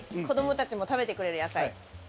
子供たちも食べてくれる野菜。